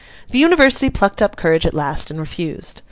The University plucked up courage at last, and refused.